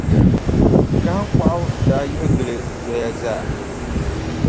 Kahiŋkɔɣu daa yiɣi gili zoya zaa.